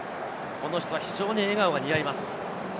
この人は非常に笑顔が似合います。